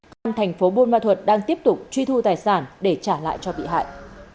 còn thành phố buôn ma thuột đang tiếp tục truy thu tài sản để trả lại cho bị hại